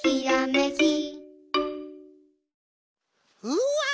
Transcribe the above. うわ！